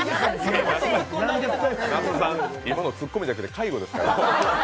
那須さん、今のツッコミじゃなくて、介護ですから。